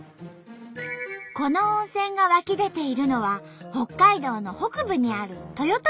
この温泉が湧き出ているのは北海道の北部にある豊富温泉。